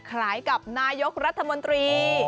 คล้ายกับนายกรัฐมนตรี